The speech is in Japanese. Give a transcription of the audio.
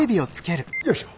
よいしょ。